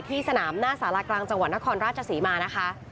สนามหน้าสารากลางจังหวัดนครราชศรีมานะคะ